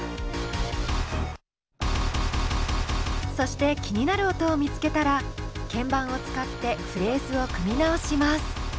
そして気になる音を見つけたら鍵盤を使ってフレーズを組み直します。